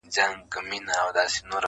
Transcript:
لوی فرعون امر وکړ پر مصریانو -